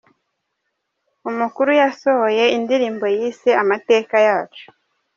Umukuru yasohoye indirimbo yise ‘Amateka Yacu.